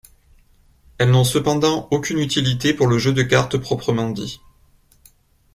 Elles n'ont cependant aucune utilité pour le jeu de cartes proprement dit.